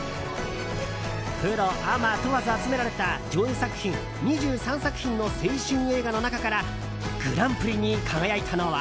プロ・アマ問わず集められた上映作品２３作品の青春映画の中からグランプリに輝いたのは。